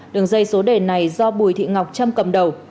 đường dây số đề này do bùi thị ngọc trâm cầm đầu